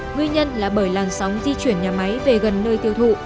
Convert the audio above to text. nguyên nhân là bởi làn sóng di chuyển nhà máy về gần nơi tiêu thụ